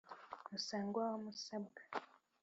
musangwa wa musabwa,